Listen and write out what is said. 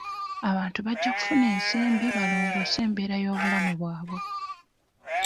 Abantu bajja kufuna ensimbi balongoose embeera y'obulamu bwabwe.